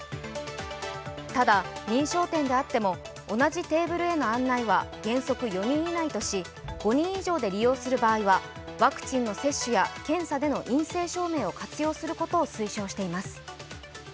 ただ、認証店であっても同じテーブルへの案内は原則４人以内とし５人以上で利用する場合はワクチンの接種や陰性証明を活用することを推奨しています。